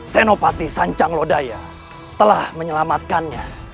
senopati sancang lodaya telah menyelamatkannya